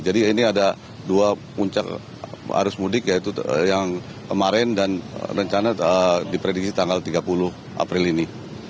ini ada dua puncak arus mudik yaitu yang kemarin dan rencana diprediksi tanggal tiga puluh april ini